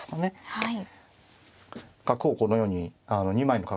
はい。